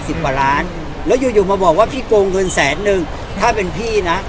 สิบขวานแล้วอยู่มาบอกว่าพี่โกงเงินแสดนึงถ้าเป็นพี่นะ